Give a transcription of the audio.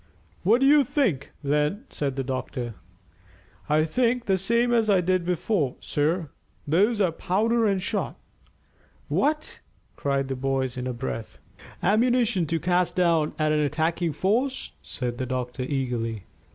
"What do you think, then?" said the doctor. "I think the same as I did before, sir. Those are powder and shot." "What!" cried the boys, in a breath. "Ammunition to cast down at an attacking force?" said the doctor eagerly.